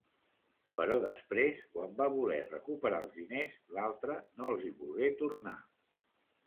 Però després, quan va voler recuperar els diners, l'altre no els hi volgué tornar.